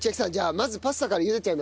まずパスタから茹でちゃいますね。